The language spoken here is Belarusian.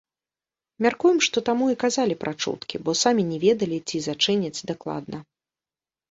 Мяркуем, што таму і казалі пра чуткі, бо самі не ведалі, ці зачыняць дакладна.